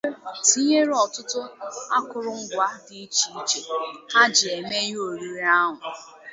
tinyere ọtụtụ akụrụngwa dị iche iche ha ji eme ihe oriri ahụ